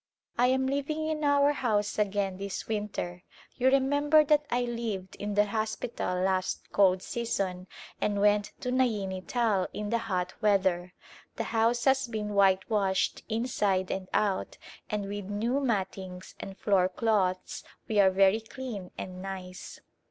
I am "living in our house again this winter. You remember that I lived in the hospital last cold season and went to Naini Tal in the hot weather. The house has been whitewashed inside and out and with new mattings and floor cloths we are very clean and nice.